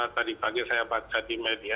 tadi pagi saya baca di media